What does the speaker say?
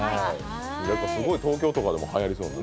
すごい東京とかでもはやりそうな。